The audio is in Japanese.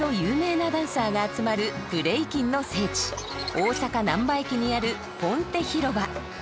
大阪難波駅にあるポンテ広場。